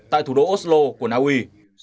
tại thủ đô oslo của naui